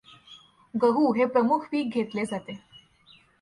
गहू हे प्रमुख पीक घेतले जाते.